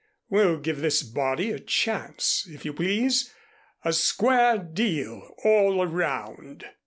We'll give this body a chance, if you please, a square deal all around."